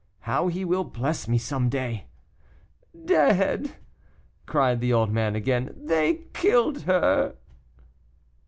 how he will bless me some day!" "Dead!" cried the old man again; "they killed her."